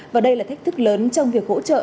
và đây là thách thức lớn trong việc hỗ trợ